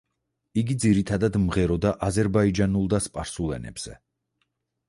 იგი ძირითადად მღეროდა აზერბაიჯანულ და სპარსულ ენებზე.